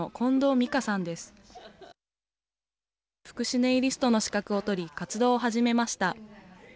福祉ネイリストの資格を取り活動を始めました。